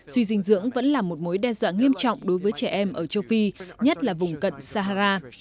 suy dinh dưỡng vẫn là một mối đe dọa nghiêm trọng đối với trẻ em ở châu phi nhất là vùng cận sahara